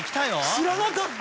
知らなかった！